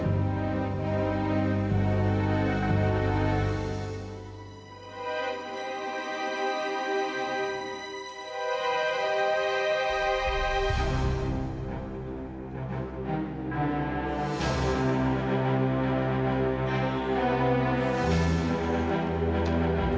waktunya harinya sudah kebal